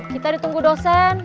kita ditunggu dosen